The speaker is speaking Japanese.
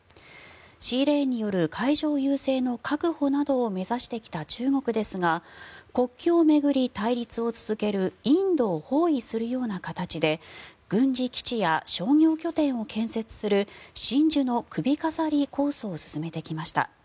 シーレーンによる海上優勢の確保などを目指してきた中国ですが国境を巡り対立を続けるインドを包囲するような形で軍事基地や商業拠点を建設する真珠の首飾り構想を進めてきました。